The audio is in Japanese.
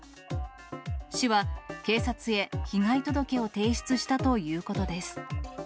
市は警察へ被害届を提出したということです。